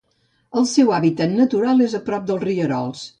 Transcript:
El seu hàbitat natural és prop de rierols.